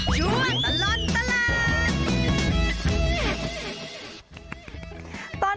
ช่วงตลอดตลาด